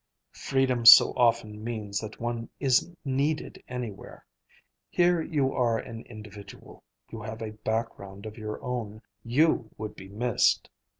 "Freedom so often means that one isn't needed anywhere. Here you are an individual, you have a background of your own, you would be missed.